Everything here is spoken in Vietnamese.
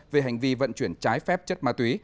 về hành vi vận chuyển trái phép chất ma túy